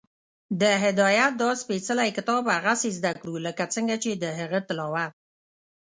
د هدایت دا سپېڅلی کتاب هغسې زده کړو، لکه څنګه چې د هغه تلاوت